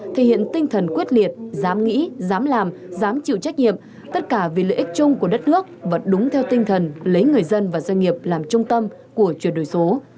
thể hiện tinh thần quyết liệt dám nghĩ dám làm dám chịu trách nhiệm tất cả vì lợi ích chung của đất nước và đúng theo tinh thần lấy người dân và doanh nghiệp làm trung tâm của chuyển đổi số